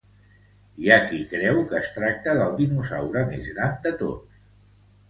Hi ha qui creue que es tracta del dinosaure més gran de tots.